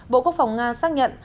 bộ quốc phòng nga xác nhận